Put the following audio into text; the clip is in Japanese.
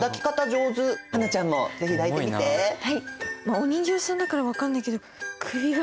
お人形さんだから分かんないけど首が。